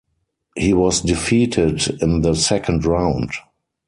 He was defeated in the second round.